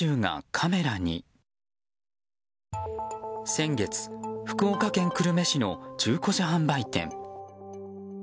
先月福岡県久留米市の中古車販売店。